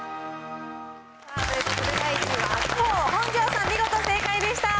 ということで、第１位は白鵬、本上さん、見事正解でしたー。